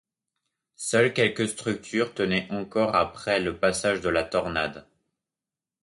Seules quelques structures tenaient encore après le passage de la tornade.